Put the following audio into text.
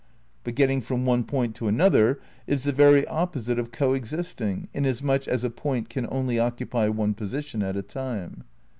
But getting from one point to another is the very opposite of coexisting, inasmuch as a point can only occupy one position at a time.